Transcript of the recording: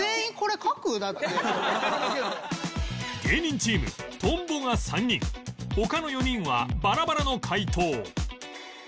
芸人チームトンボが３人他の４人はバラバラの解答